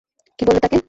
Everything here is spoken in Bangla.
কী বললে তাকে?